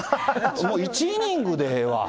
もう１イニングでいいわ。